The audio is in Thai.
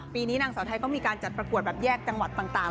นี้นางสาวไทยก็มีการจัดประกวดแบบแยกจังหวัดต่าง